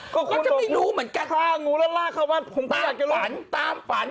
ก็จะไม่รู้เหมือนกันว่างูแล้วลากเข้าบ้านผมก็อยากจะฝันตามฝัน